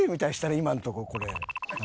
今のところこれ。